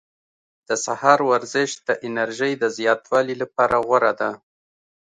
د سهار ورزش د انرژۍ د زیاتوالي لپاره غوره ده.